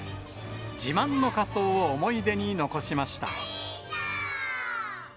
自慢の仮装を思い出に残しました。